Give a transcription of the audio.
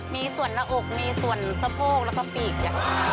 มีส่วนระอกมีส่วนสะโพกแล้วก็ฟีกจ่ะ